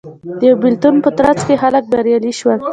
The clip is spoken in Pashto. د یوه بېلتون په ترڅ کې خلک بریالي شول